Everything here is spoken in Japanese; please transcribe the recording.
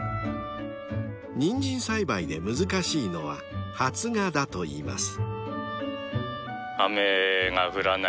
［ニンジン栽培で難しいのは発芽だと言います］